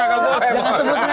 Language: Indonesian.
jangan sebut merek